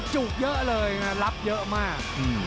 จุกเยอะเลยนะรับเยอะมาก